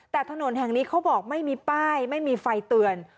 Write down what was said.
แต่ถนนแห่งนี้เขาบอกไม่มีป้ายไม่มีไฟเตือน